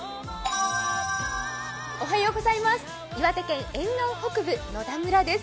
岩手県沿岸北部野田村です。